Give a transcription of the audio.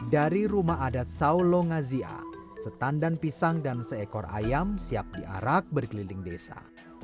dari rumah adat saulo ngazia setan dan pisang dan seekor ayam siap diarak berkeliling desa